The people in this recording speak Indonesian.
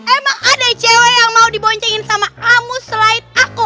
emang ada cewek yang mau diboncengin sama kamu selain aku